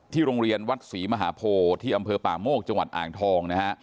โรงเรียนวัดศรีมหาโพที่อำเภอป่าโมกจังหวัดอ่างทองนะฮะ